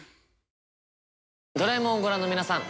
『ドラえもん』をご覧の皆さん